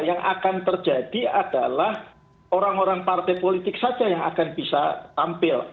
yang akan terjadi adalah orang orang partai politik saja yang akan bisa tampil